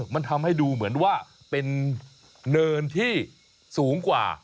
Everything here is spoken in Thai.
มันทำให้ดูเหมือนว่าเป็นเนินที่สูงกว่า